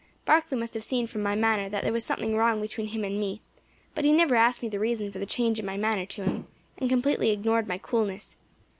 Barkley must have seen from my manner that there was something wrong between him and me; but he never asked me the reason for the change in my manner to him, and completely ignored my coolness.